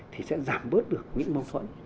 thì sẽ giảm bớt được những mâu thuẫn